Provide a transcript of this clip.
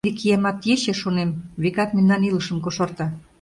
Тиде киямат ече, шонем, векат мемнан илышым кошарта!